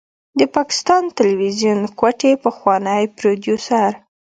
د پاکستان تلويزيون کوټې پخوانی پروديوسر